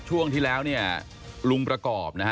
ช่วงที่แล้วลุงประกอบ